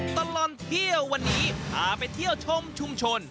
ตลอดเที่ยววันนี้พาไปเที่ยวชมชุมชน